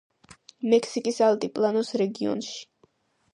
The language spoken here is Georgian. მექსიკის ალტიპლანოს რეგიონში.